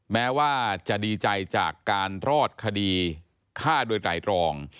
แม้ว่าจะดีใจจากการรอดคดีฆ่าโดยไตรรอง